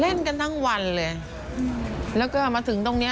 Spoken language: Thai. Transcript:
เล่นกันทั้งวันเลยแล้วก็มาถึงตรงเนี้ย